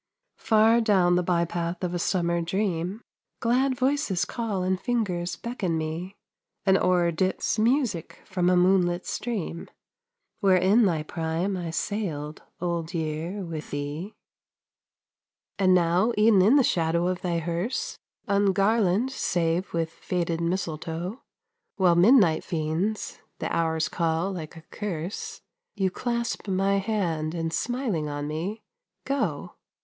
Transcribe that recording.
Far down the by path of a summer dream, Glad voices call and fingers beckon me An oar dips music from a moonlit stream, Where in thy prime I sailed, Old Year, with thee And now, e'en in the shadow of thy hearse, Ungarland save with fated mistletoe, While midnight fiends the hours call like a curse, You clasp my hand and smiling on me go.